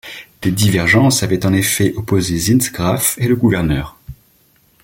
Des divergences avaient en effet opposé Zintgraff et le gouverneur.